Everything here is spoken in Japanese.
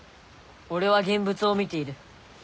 俺は現物を見ている。